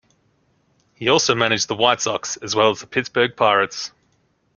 He also managed the White Sox, as well as the Pittsburgh Pirates.